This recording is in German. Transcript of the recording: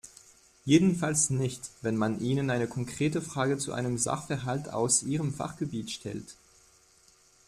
Jedenfalls nicht, wenn man ihnen eine konkrete Frage zu einem Sachverhalt aus ihrem Fachgebiet stellt.